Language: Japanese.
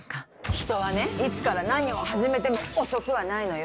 人はね、いつから何を始めても遅くはないのよ。